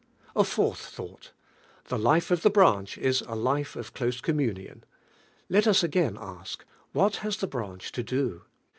A fourth though!. The life of the brunch is a life of close communion. Let us again ash: What has the branch to do?